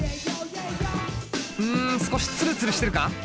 うん少しツルツルしてるか？